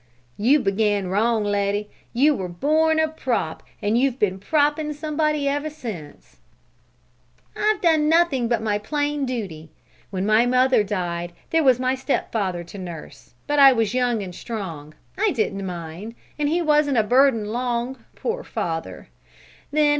"You began wrong, Letty. You were born a prop and you've been propping somebody ever since." "I've done nothing but my plain duty. When my mother died there was my stepfather to nurse, but I was young and strong; I didn't mind; and he wasn't a burden long, poor father.